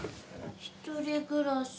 一人暮らし？